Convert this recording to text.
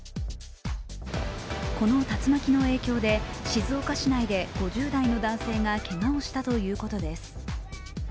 この竜巻の影響で静岡市内で５０代の男性がけがをしたということです。